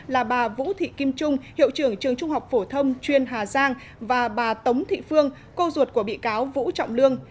là bà vũ thị kim trung hiệu trưởng trường trung học phổ thông chuyên hà giang và bà tống thị phương cô ruột của bị cáo vũ trọng lương